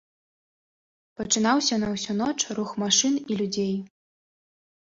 Пачынаўся на ўсю ноч рух машын і людзей.